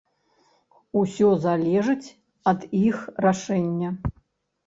Усё залежыць ад іх рашэння.